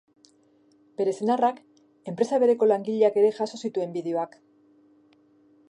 Bere senarrak, enpresa bereko langileak ere jaso zituen bideoak.